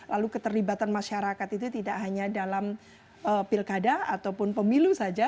lalu keterlibatan masyarakat itu tidak hanya dalam pilkada ataupun pemilu saja